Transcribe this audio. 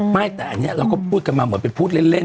ไม่แต่อันนี้เราก็พูดกันมาเหมือนเป็นพูดเล่น